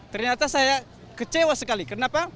ternyata saya kecewa sekali kenapa